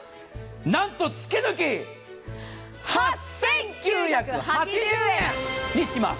なんと月々８９８０円にします。